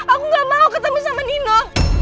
aku gak mau ketemu sama dino